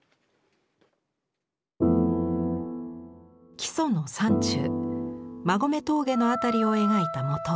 木曽の山中馬籠峠の辺りを描いた元絵。